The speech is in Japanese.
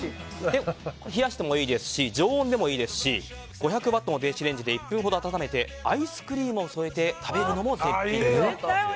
冷やしてもいいですし常温でもいいですし５００ワットの電子レンジで１分ほど温めてアイスクリームを添えて食べるのも絶品だと。